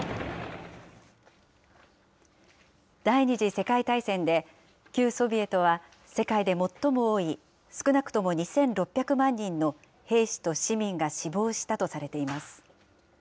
第２次世界大戦で、旧ソビエトは、世界で最も多い少なくとも２６００万人の兵士と市民が死亡したとされています。